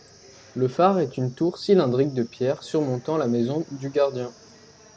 Le phare est une tour cylindrique de pierres surmontant la maison du gardien.